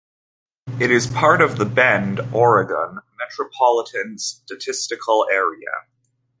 It is part of the Bend, Oregon Metropolitan Statistical Area.